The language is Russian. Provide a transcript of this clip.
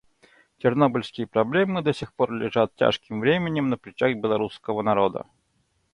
Чернобыльские проблемы до сих пор лежат тяжким бременем на плечах белорусского народа.